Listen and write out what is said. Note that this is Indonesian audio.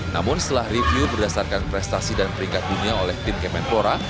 namun setelah review berdasarkan prestasi dan peringkat dunia oleh tim kemenpora